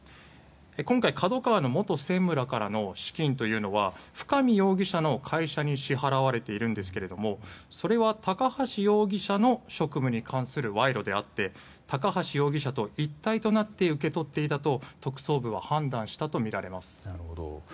今回、ＫＡＤＯＫＡＷＡの元専務らからの資金というのは深見容疑者の会社に支払われているんですがそれは高橋容疑者の職務に関する賄賂であって高橋容疑者と一体となって受け取っていたと特捜部は判断したとみられます。